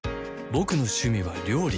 ボクの趣味は料理